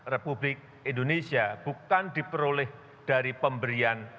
republik indonesia bukan diperoleh dari pemberian